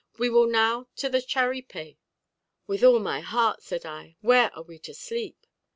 We will now to the charipé." "With all my heart," said I: "where are we to sleep?"